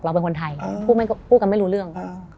เป็นคนไทยพูดกันไม่รู้เรื่อง